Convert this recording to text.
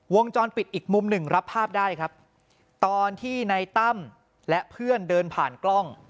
วงจรปิดอีกมุมหนึ่งรับภาพได้ครับตอนที่ในตั้มและเพื่อนเดินผ่านกล้อง